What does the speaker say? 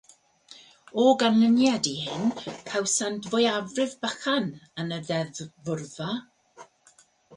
O ganlyniad i hyn, cawsant fwyafrif bychan yn y ddeddfwrfa.